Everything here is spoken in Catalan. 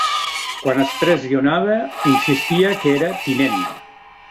Quan es pressionava, insistia que era "Tinent".